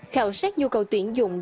khảo sát nhu cầu tuyển dụng